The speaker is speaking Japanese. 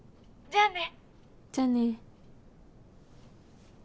じゃあね。